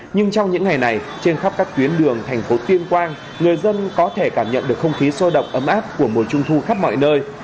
nhưng trong những ngày này trên khắp các tuyến đường thành phố tuyên quang người dân có thể cảm nhận được không khí sôi động ấm áp của mùa trung thu khắp mọi nơi